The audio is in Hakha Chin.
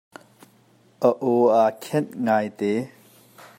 A aw aa khenh ngai te.